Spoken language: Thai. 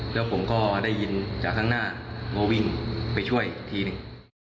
แล้วผมก็ได้ยินจากข้างหน้าก็วิ่งไปช่วยทีหนึ่ง